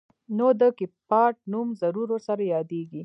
نو د کيپات نوم ضرور ورسره يادېږي.